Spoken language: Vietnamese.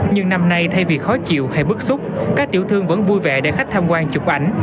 nhưng năm nay thay vì khó chịu hay bức xúc các tiểu thương vẫn vui vẻ để khách tham quan chụp ảnh